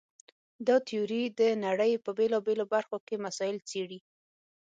دا تیوري د نړۍ په بېلابېلو برخو کې مسایل څېړي.